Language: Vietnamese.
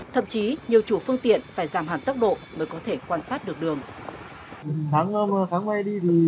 thậm chí nhiều chủ phương tiện phải giảm hẳn tốc độ để có thể quay lại